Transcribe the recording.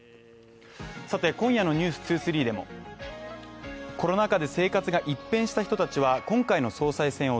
今夜の「ｎｅｗｓ２３」でもコロナ禍で生活が一変した人たちは今回の総裁選を